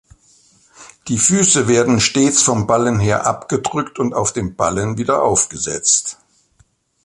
Die Füße werden stets vom Ballen her abgedrückt und auf dem Ballen wieder aufgesetzt.